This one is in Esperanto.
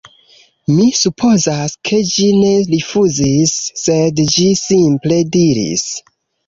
Mi supozas, ke ĝi ne rifuzis, sed ĝi simple diris: